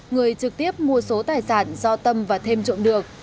người trực tiếp mua số tài sản do tâm và thêm trộm được